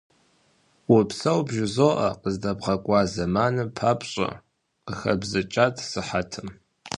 Упсэу бжызоӀэ, къыздэбгъэкӀуа зэманым папщӀэ, - къыхэбзыкӀат сыхьэтым.